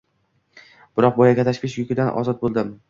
Biroq, boyagi tashvish yukidan ozod bo’ldim.